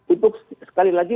untuk sekali lagi